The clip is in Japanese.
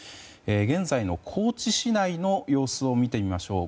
現在の高知市内の様子を見てみましょう。